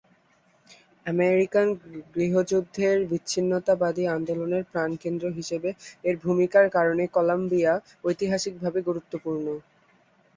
American গৃহযুদ্ধের বিচ্ছিন্নতাবাদী আন্দোলনের প্রাণকেন্দ্র হিসেবে এর ভূমিকার কারণে কলাম্বিয়া ঐতিহাসিকভাবে গুরুত্বপূর্ণ।